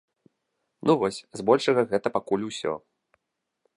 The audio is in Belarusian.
Ну вось, збольшага гэта пакуль усё.